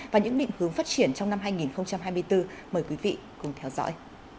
và những định hướng phát triển trong năm hai nghìn hai mươi bốn mời quý vị cùng theo dõi